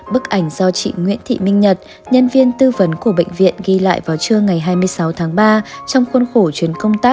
bức ảnh do chị nguyễn thị minh nhật nhân viên tư vấn của bệnh viện ghi lại vào trưa ngày hai mươi sáu tháng ba trong khuôn khổ chuyến công tác